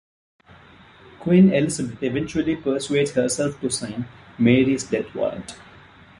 Queen Elizabeth eventually persuades herself to sign Mary's death warrant.